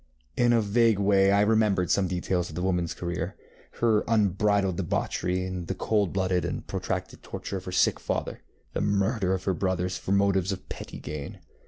In a vague way I remembered some details of the womanŌĆÖs career, her unbridled debauchery, the coldblooded and protracted torture of her sick father, the murder of her brothers for motives of petty gain.